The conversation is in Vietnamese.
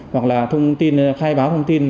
hoặc là thông tin khai báo thông tin